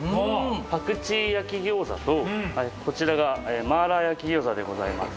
パクチー焼餃子とこちらが麻辣焼餃子でございます